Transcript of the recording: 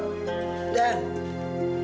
aku akan membebaskan kamu